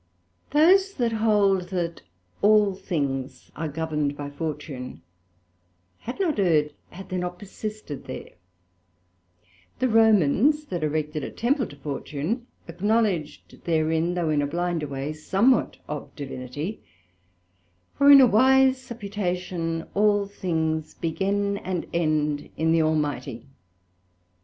Those that hold that all things are governed by Fortune, had not erred, had they not persisted there: The Romans that erected a temple to Fortune, acknowledged therein, though in a blinder way, somewhat of Divinity; for in a wise supputation all things begin and end in the Almighty.